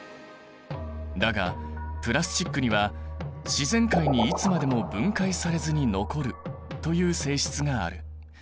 だがプラスチックには自然界にいつまでも分解されずに残るという性質がある。